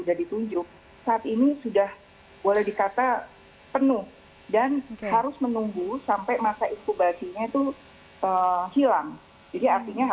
dalam saya di jandela rumah sakit di jandela dunia